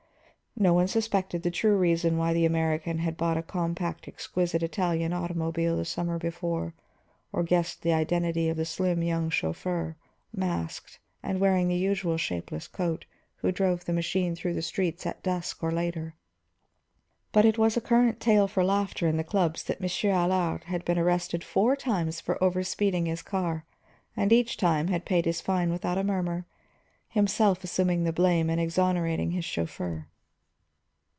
No one suspected the true reason why the American had bought a compact, exquisite Italian automobile during the summer before; or guessed the identity of the slim young chauffeur, masked and wearing the usual shapeless coat, who drove the machine through the streets at dusk or later. But it was a current tale for laughter in the clubs that Monsieur Allard had been arrested four times for over speeding his car and each time had paid his fine without a murmur, himself assuming the blame and exonerating his chauffeur.